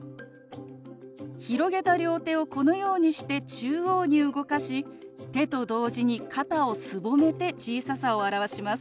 広げた両手をこのようにして中央に動かし手と同時に肩をすぼめて小ささを表します。